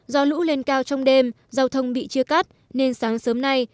do lũ lên cao trong đêm giao thông bị chia cắt nên sáng sớm nay